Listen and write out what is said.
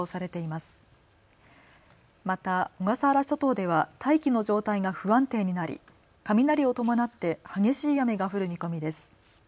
また小笠原諸島では大気の状態が不安定になり雷を伴って激しい雨が降る見込みです。